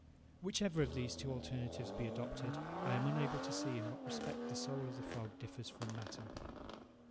Whichever of these two alternatives be adopted I am unable to see in what respect the soul of the frog differs from matter.